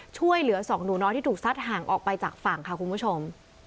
ช่วยเหลือสองหนูน้อยที่ถูกซัดห่างออกไปจากฝั่งค่ะคุณผู้ชม